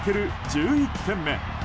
１１点目。